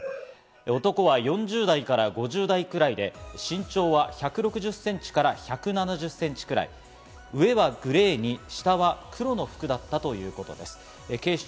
男は４０代から５０代くらいで、身長は１６０センチから１７０センチくらい、上はグレーに下は黒の服だったということです。